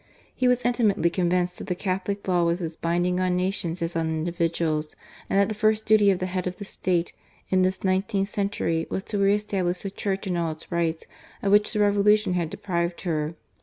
He was intimately con\ inced that the Catholic law was as binding on nations as on individuals, and that the first duty of the head of the State in this nineteenth century was to re establish the Church in all the rights of which the Revolution had deprived her.